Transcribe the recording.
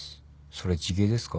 それ地毛ですか？